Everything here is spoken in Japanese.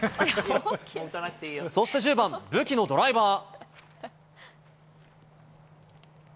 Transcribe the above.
そして１０番、武器のドライバー。